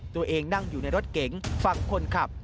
ตัวเองนั่งอยู่ในรถเก๋งฝั่งคนขับ